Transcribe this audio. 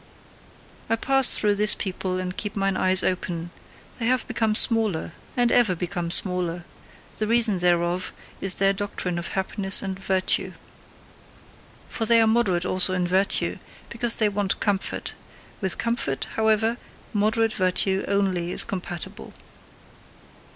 I pass through this people and keep mine eyes open; they have become SMALLER, and ever become smaller: THE REASON THEREOF IS THEIR DOCTRINE OF HAPPINESS AND VIRTUE. For they are moderate also in virtue, because they want comfort. With comfort, however, moderate virtue only is compatible.